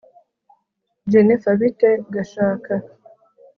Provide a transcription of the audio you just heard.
jennifer bite gashaka